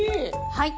はい。